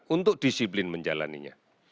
untuk disiplin menjalannya